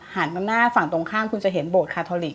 หันมาหน้าฝั่งตรงข้ามคุณจะเห็นโบสคาทอลิก